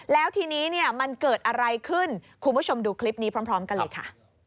แล้วทีนี้เนี่ยมันเกิดอะไรขึ้นคุณผู้ชมดูคลิปนี้พร้อมกันเลยค่ะ